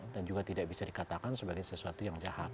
dan juga tidak bisa dikatakan sebagai sesuatu yang jahat